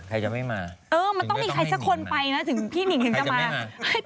ใครจะไม่มาเออมันต้องมีใครสักคนไปนะถึงพี่หนิ่งถึงจะมา